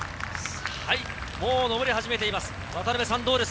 もう上り始めています。